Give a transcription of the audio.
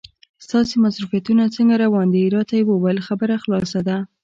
ستاسې مصروفیتونه څنګه روان دي؟ راته یې وویل خبره خلاصه ده.